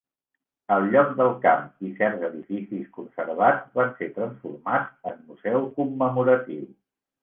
El lloc del camp i certs edificis conservats van ser transformats en museu commemoratiu.